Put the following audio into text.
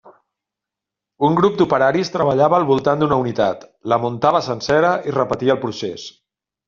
El grup d'operaris treballava al voltant d'una unitat, la muntava sencera, i repetia el procés.